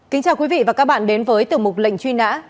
kính chào quý vị và các bạn đến với tiểu mục lệnh truy nã